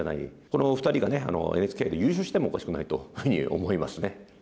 このお二人がねＮＨＫ杯で優勝してもおかしくないというふうに思いますね。